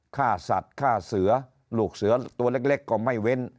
ฆ่าสัตว์ฆ่าเสือลูกเสือตัวเล็กก็ไม่เว้น